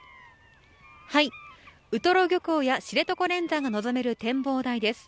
ウトロ漁港や知床連山が望める展望台です。